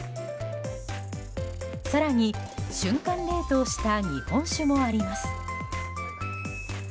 更に瞬間冷凍した日本酒もあります。